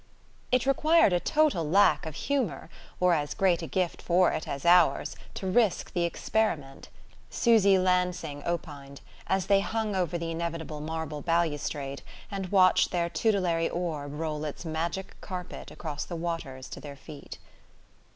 "It required a total lack of humour, or as great a gift for it as ours, to risk the experiment," Susy Lansing opined, as they hung over the inevitable marble balustrade and watched their tutelary orb roll its magic carpet across the waters to their feet.